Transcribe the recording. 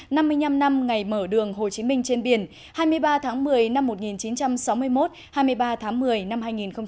năm mươi năm năm ngày mở đường hồ chí minh trên biển hai mươi ba tháng một mươi năm một nghìn chín trăm sáu mươi một hai mươi ba tháng một mươi năm hai nghìn một mươi chín